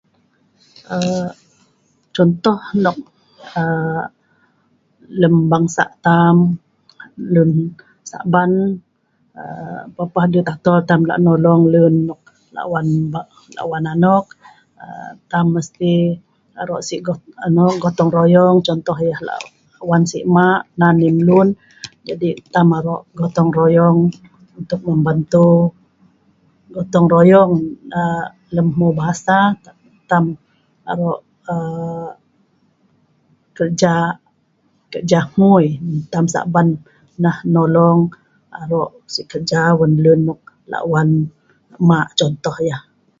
Aaa. contoh nok aaa lem bangsa tam leun Sa'ban aa papah deut ataol tam lah' nolong leun nok lah' wan anok aaa tam mesti aro' si aa gotong royong, contoh yah la'wan si ma' nan yah mlun. Jadi tam aro' gotong royong untuk membantu, gotong royong aaa lem hmeu' Bahasa, tam aro' aaa kerja, kerja hngui ntam Sa'ban nah nolong aro' si kerja wan leun nok lah' wan mah' contoh yah.